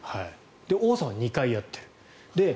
王さんは２回やってる。